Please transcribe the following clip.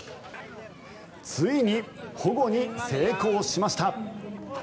ついに保護に成功しました。